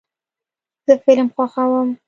زه فلم خوښوم.